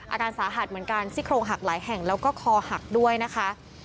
อาการสาหัสเหมือนกันซี่โครงหักหลายแห่งแล้วก็คอหักด้วยนะคะ